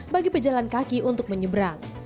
bagi pejalan kaki untuk menyeberang